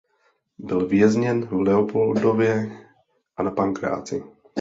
Byl vězněn v Leopoldově a na Pankráci.